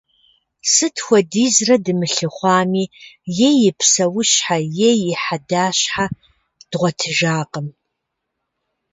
Сыт хуэдизрэ дымылъыхъуами, е и псэущхьэ е и хьэдащхьэ дгъуэтыжакъым.